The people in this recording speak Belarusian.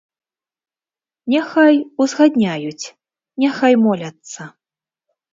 Няхай узгадняюць, няхай моляцца.